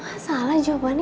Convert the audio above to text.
hmm ngapain lagi tuh si bella